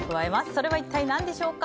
それは一体何でしょう？